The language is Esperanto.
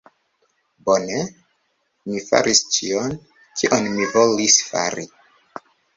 Bone. Mi faris ĉion, kion mi volis fari.